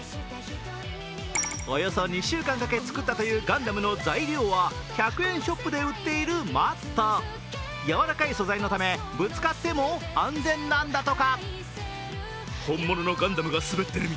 およそ２週間かけ作ったというガンダムの材料は１００円ショップで売っているマットやわらかい素材のため、ぶつかっても安全なんだとか。